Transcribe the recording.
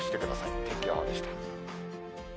天気予報でした。